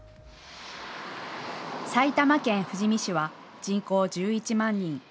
埼玉県富士見市は人口１１万人。